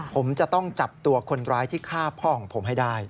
ผมจะต้องจับตัวคนร้ายที่ฆ่าพ่อของผมให้ได้